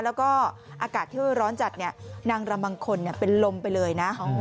แล้วก็อากาศที่ร้อนจัดนางรำบางคนเป็นลมไปเลยนะ